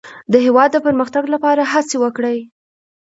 د هېواد د پرمختګ لپاره هڅې وکړئ.